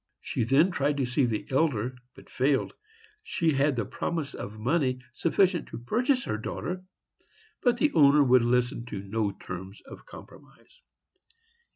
She then tried to see the elder, but failed. She had the promise of money sufficient to purchase her daughter, but the owner would listen to no terms of compromise.